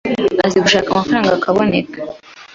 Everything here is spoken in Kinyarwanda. azi gushaka amafaranga akaboneka,